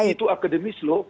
itu akademis lho